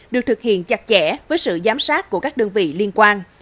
được thực hiện chặt chẽ với sự giám sát của các đơn vị liên quan